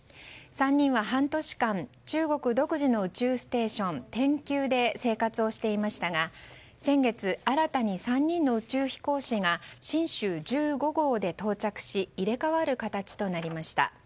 ３人は半年間、中国独自の宇宙ステーション天宮で生活をしていましたが先月、新たに３人の宇宙飛行士が「神舟１５号」で到着し入れ替わる形となりました。